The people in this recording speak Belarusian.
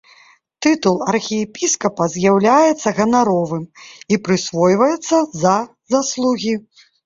Тытул архіепіскапа з'яўляецца ганаровым і прысвойваецца за заслугі.